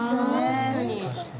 確かに。